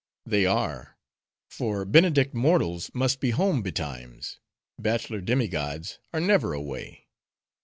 "They are. For Benedict mortals must be home betimes: bachelor demi gods are never away."